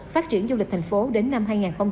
phát triển du lịch thành phố đến năm hai nghìn ba mươi